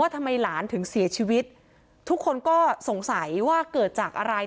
ทำไมหลานถึงเสียชีวิตทุกคนก็สงสัยว่าเกิดจากอะไร